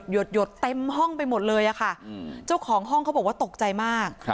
หดเต็มห้องไปหมดเลยอะค่ะเจ้าของห้องเขาบอกว่าตกใจมาก